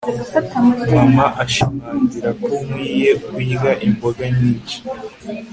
Mama ashimangira ko nkwiye kurya imboga nyinshi